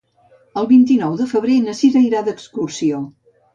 El vint-i-nou de febrer na Cira irà d'excursió.